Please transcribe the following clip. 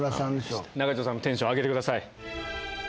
中条さんのテンション上げてください。